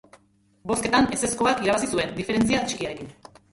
Bozketan ezezkoak irabazi zuen, diferentzia txikiarekin.